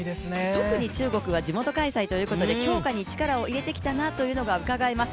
特に中国は地元開催ということで強化に力をかけてきたなというのがうかがえます。